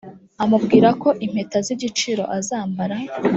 amubwira ko impeta zigiciro azambara